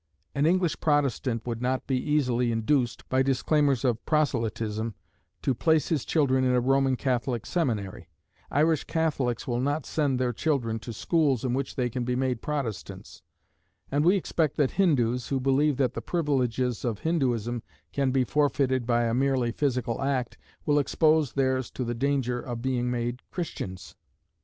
An English Protestant would not be easily induced, by disclaimers of proselytism, to place his children in a Roman Catholic seminary; Irish Catholics will not send their children to schools in which they can be made Protestants; and we expect that Hindoos, who believe that the privileges of Hindooism can be forfeited by a merely physical act, will expose theirs to the danger of being made Christians!